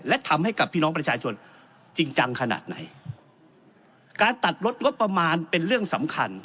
และทำให้กับพี่น้องประชาชนจริงจังขนาดไหนการตัดลดงบประมาณเป็นเรื่องสำคัญ